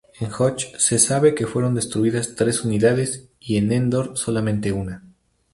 En Hoth se sabe que fueron destruidas tres unidades y en Endor solamente una.